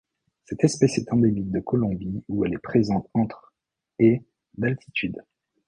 Cette espèce est endémique de Colombie où elle est présente entre et d'altitude.